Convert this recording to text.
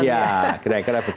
ya kira kira begitu